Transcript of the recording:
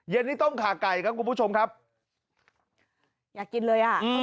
เย็นนี้ต้มขาไก่ครับคุณผู้ชมครับอยากกินเลยอ่ะ